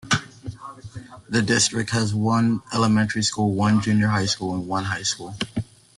The district has one elementary school, one junior high school and one high school.